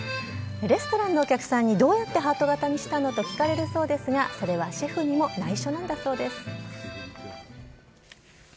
レストランのお客さんにどうやってハート形にしたのと聞かれるそうですが、それはシェフにもないしょなんだそうです。